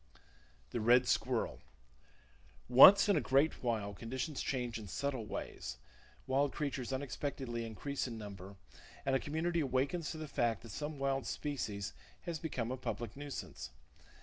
The Red Squirrel. —Once in a great while, conditions change in subtle ways, wild creatures unexpectedly increase in number, and a community awakens to the fact that some wild species has become a public nuisance.